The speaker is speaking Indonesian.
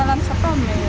lalu aku mau beli